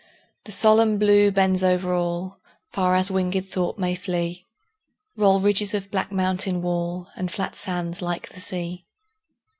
The solemn Blue bends over all; Far as winged thought may flee Roll ridges of black mountain wall, And flat sands like the sea.